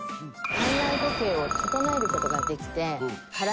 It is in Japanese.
体内時計を整えることができて。